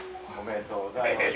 おめでとうございます。